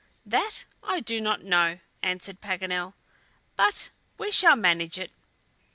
"That I do not know," answered Paganel, "but we shall manage it."